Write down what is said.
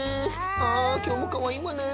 あきょうもかわいいわね。